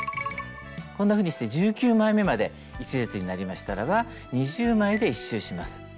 こんなふうにして１９枚めまで１列になりましたらば２０枚で１周します。